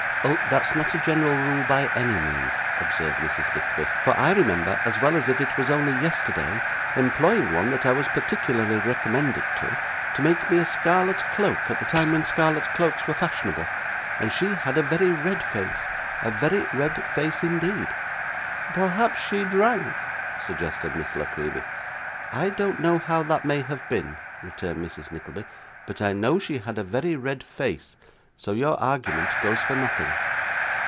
'Oh! that's not a general rule by any means,' observed Mrs. Nickleby; 'for I remember, as well as if it was only yesterday, employing one that I was particularly recommended to, to make me a scarlet cloak at the time when scarlet cloaks were fashionable, and she had a very red face a very red face, indeed.' 'Perhaps she drank,' suggested Miss La Creevy. 'I don't know how that may have been,' returned Mrs. Nickleby: 'but I know she had a very red face, so your argument goes for nothing.